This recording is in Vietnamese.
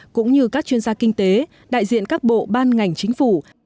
cũng như các chuyên gia kinh tế đại diện các bộ ban ngành chính phủ